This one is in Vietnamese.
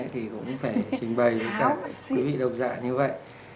thì cũng phải trình bày cho quý vị đồng dạ như vậy